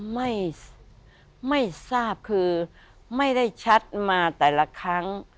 ไม่ไม่ทราบคือไม่ได้ชัดมาแต่ละครั้ง